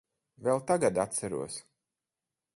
Vēl tagad atceros.